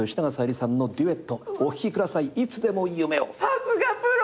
さすがプロ！